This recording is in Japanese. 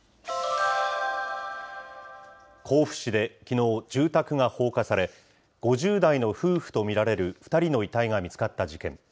甲府市できのう、住宅が放火され、５０代の夫婦と見られる２人の遺体が見つかった事件。